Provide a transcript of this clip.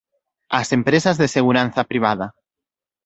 As empresas de seguranza privada.